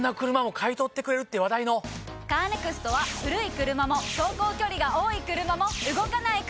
カーネクストは古い車も走行距離が多い車も動かない車でも。